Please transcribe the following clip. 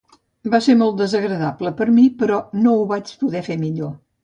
Va ser molt desagradable per a mi, però no ho vaig poder fer millor.